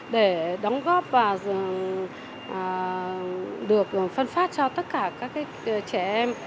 để đóng góp và được phân phát cho tất cả các trẻ em